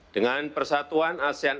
dengan persatuan asean